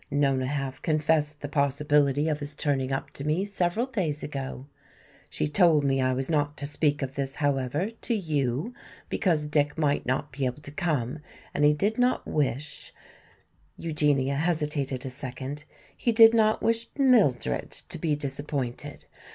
Nona half confessed the possibility of his turning up to me several days ago. She told me I was not to speak of this, however, to you, because Dick might not be able to come and he did not wish " Eugenia hesitated a second "he did not wish Mildred to be disappointed.